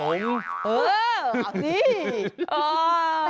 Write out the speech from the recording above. เออเอาสิ